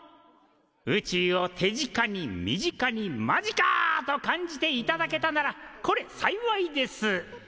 宇宙を手近に身近にマジか！と感じていただけたならこれ幸いです。